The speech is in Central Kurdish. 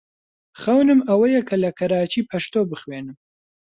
خەونم ئەوەیە کە لە کەراچی پەشتۆ بخوێنم.